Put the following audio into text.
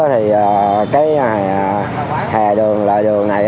thì cái hề đường lề đường này